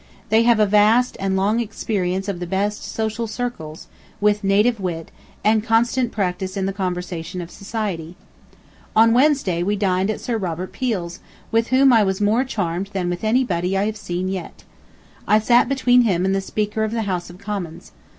They have a vast and long experience of the best social circles, with native wit, and constant practice in the conversation of society. ... On Wednesday, we dined at Sir Robert Peel's, with whom I was more charmed than with anybody I have seen yet. I sat between him and the Speaker of the House of Commons.